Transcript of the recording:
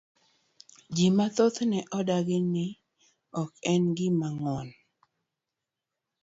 Ji mathoth ne odagi ni ok en ng'ama nguon.